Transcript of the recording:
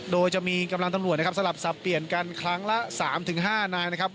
โดยจะมีกำลังตำรวจนะครับสลับสับเปลี่ยนกันครั้งละ๓๕นายนะครับ